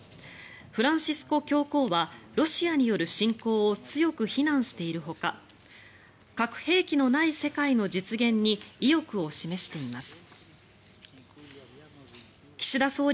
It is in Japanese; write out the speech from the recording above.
フランシスコ教皇はロシアによる侵攻を強く非難しているほか核兵器のない世界の実現に意欲を示しています。